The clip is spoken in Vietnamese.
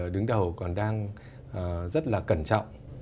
đứng đầu còn đang rất là cẩn trọng